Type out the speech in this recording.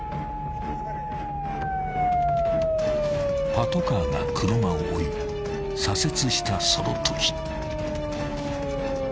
［パトカーが車を追い左折したそのとき］